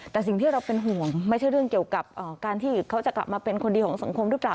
แต่สิ่งที่เราเป็นห่วงไม่ใช่เรื่องเกี่ยวกับการที่เขาจะกลับมาเป็นคนดีของสังคมหรือเปล่า